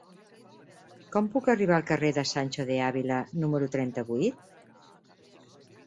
Com puc arribar al carrer de Sancho de Ávila número trenta-vuit?